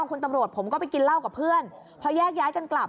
คุณตำรวจผมก็ไปกินเหล้ากับเพื่อนพอแยกย้ายกันกลับ